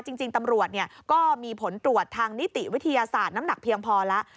จริงตำรวจก็มีผลตรวจทางนิติวิทยาศาสตร์น้ำหนักเพียงพอแล้ว